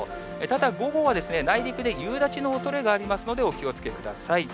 ただ、午後は内陸で夕立のおそれがありますので、お気をつけください。